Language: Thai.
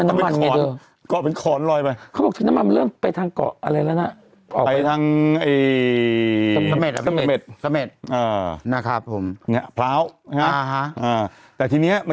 มันกะไปด้วยให้มันน้ำมันไงเดียว